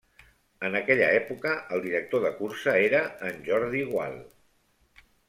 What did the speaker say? En aquella època, el director de cursa era en Jordi Gual.